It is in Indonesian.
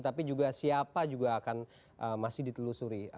tapi juga siapa juga akan masih ditelusuri